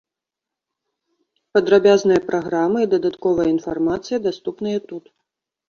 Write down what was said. Падрабязная праграма і дадатковая інфармацыя даступныя тут.